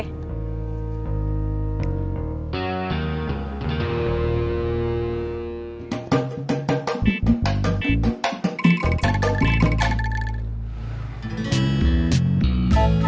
selamat pagi mau